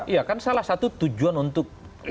iya kan salah satu tujuan untuk